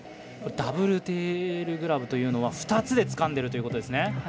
ダブルテールグラブというのは２つでつかんでるということですね。